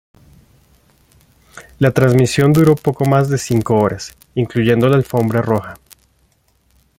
La transmisión duró poco más de cinco horas, incluyendo la Alfombra Roja.